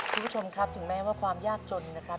คุณผู้ชมครับถึงแม้ว่าความยากจนนะครับ